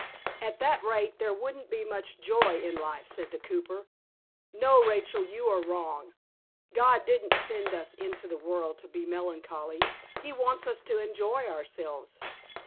"At that rate there wouldn't be much joy in life," said the cooper. "No, Rachel, you are wrong. God didn't send us into the world to be melancholy. He wants us to enjoy ourselves.